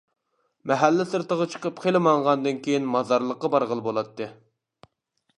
مەھەللە سىرتىغا چىقىپ خېلى ماڭغاندىن كىيىن مازارلىققا بارغىلى بولاتتى.